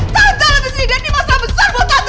tante lebih sedih dan ini masalah besar buat tante